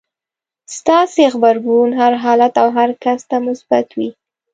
ستاسې غبرګون هر حالت او هر کس ته مثبت وي.